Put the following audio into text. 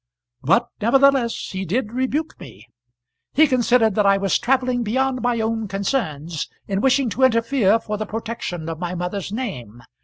"But nevertheless he did rebuke me. He considered that I was travelling beyond my own concerns, in wishing to interfere for the protection of my mother's name.